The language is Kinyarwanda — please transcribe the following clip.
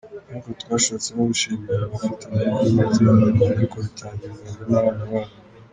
Ariko twashatse no gushimira abafatanyabikorwa batari Abanyarwanda ariko bitangiye u Rwanda n’abana barwo.